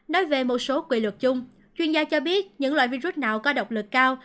nói về một số quy luật chung chuyên gia cho biết những loại virus nào có độc lực cao